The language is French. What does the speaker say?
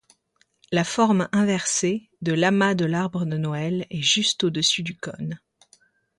La forme inversée de l'amas de l'arbre de Noël est juste au-dessus du cône.